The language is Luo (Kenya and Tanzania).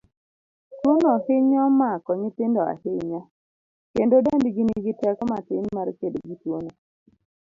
Tuono hinyo mako nyithindo ahinya, kendo dendgi nigi teko matin mar kedo gi tuono.